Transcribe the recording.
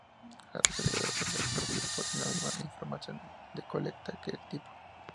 La totalidad de los paratipos poseen la misma información de colecta que el tipo.